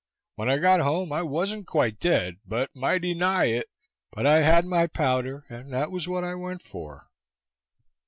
When I got home I was'nt quite dead, but mighty nigh it; but I had my powder, and that was what I went for.